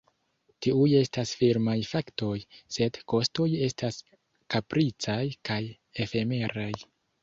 Tiuj estas firmaj faktoj, sed kostoj estas kapricaj kaj efemeraj.